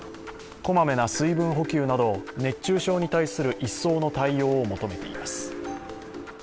こまめな水分補給など熱中症に対する一層の対応を求めています。